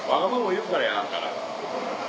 言うからやあんたらが。